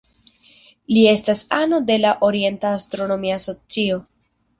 Li estas ano de la Orienta Astronomia Asocio.